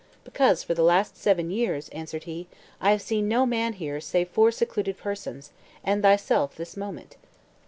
"Because for the last seven years," answered he, "I have seen no man here save four secluded persons, and thyself this moment."